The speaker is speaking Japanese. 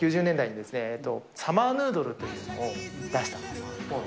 ９０年代にですね、サマーヌードルというのを出したんです。